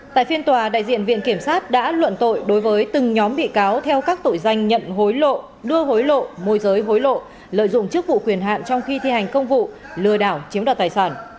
tại phiên tòa đại diện viện kiểm sát đã luận tội đối với từng nhóm bị cáo theo các tội danh nhận hối lộ đưa hối lộ môi giới hối lộ lợi dụng chức vụ quyền hạn trong khi thi hành công vụ lừa đảo chiếm đoạt tài sản